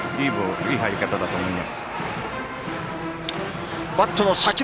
いい入り方だと思います。